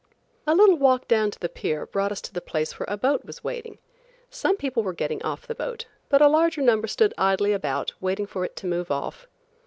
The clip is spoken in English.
A little walk down to the pier brought us to the place where a boat was waiting. Some people were getting off the boat, but a larger number stood idly about waiting for it to move off.